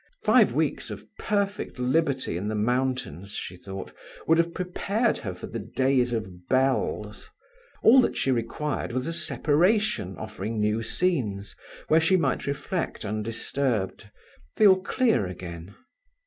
Five weeks of perfect liberty in the mountains, she thought, would have prepared her for the days of bells. All that she required was a separation offering new scenes, where she might reflect undisturbed, feel clear again.